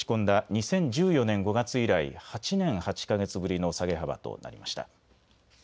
２０１４年５月以来８年８か月ぶりの下げ幅となりました。